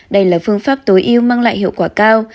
đây là phương pháp tối ưu mang lại hiệu quả cao